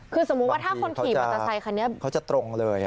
คือสมมุติว่าถ้าคนขี่มอเตอร์ไซคันนี้เขาจะตรงเลย